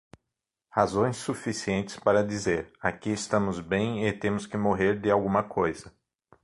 Razões suficientes para dizer: aqui estamos bem e temos que morrer de alguma coisa.